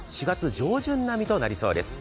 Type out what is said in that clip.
４月上旬並みとなりそうです。